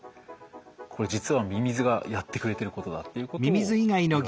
これ実はミミズがやってくれてることだっていうことをいわれているんです。